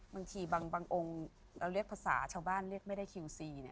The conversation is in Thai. บางทีบางองค์เราเรียกภาษาชาวบ้านเรียกไม่ได้คิวซีเนี่ย